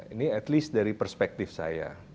ini at least dari perspektif saya